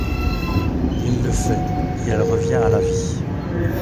Il le fait, et elle revient à la vie.